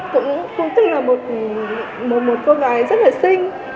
cũng tức là một cô gái rất là xinh